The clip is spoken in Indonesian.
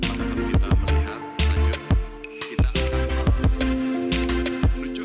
maka kalau kita melihat lanjut